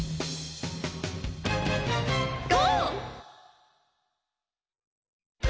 「ゴー！」